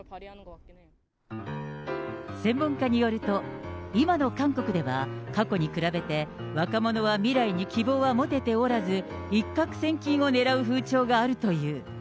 専門家によると、今の韓国では過去に比べて若者は未来に希望は持てておらず、一獲千金をねらう風潮があるという。